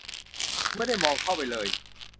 คุณไม่ได้มองเข้าไปเลย